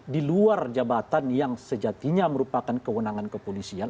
di luar jabatan yang sejatinya merupakan kewenangan kepolisian